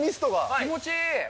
気持ちいい。